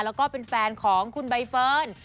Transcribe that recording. แล้วก็เป็นแฟนของคุณใบเฟิร์น